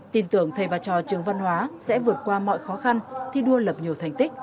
tin tưởng thầy và trò trường văn hóa sẽ vượt qua mọi khó khăn thi đua lập nhiều thành tích